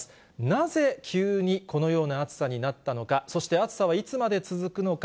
なぜ急にこのような暑さになったのか、そして暑さはいつまで続くのか。